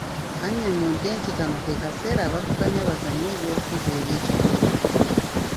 Annyonnyodde nti kano ke kaseera abaavuganya bazannye ebyobufuzi eby'ekikulu